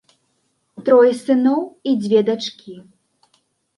Трое сыноў і дзве дачкі.